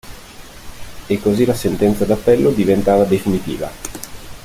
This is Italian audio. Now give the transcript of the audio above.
E così la sentenza d'appello diventava definitiva.